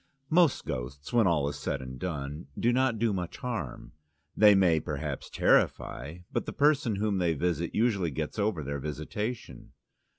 Most ghosts, when all is said and done, do not do much harm; they may perhaps terrify, but the person whom they visit usually gets over their visitation.